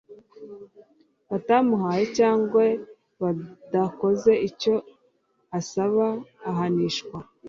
batamuhaye cyangwa badakoze icyo asaba ahanishwa